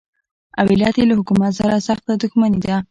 او علت یې له حکومت سره سخته دښمني ده.